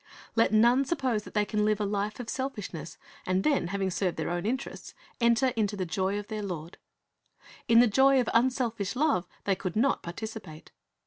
Let none suppose that they can live a life of selfishness, and then, having served their own interests, enter into the joy of their Lord. In the joy of unselfish love they could not participate.